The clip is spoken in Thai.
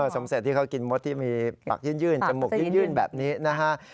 สมเสร็จที่เขากินมดที่มีปักยื่นจมูกยื่นแบบนี้นะฮะ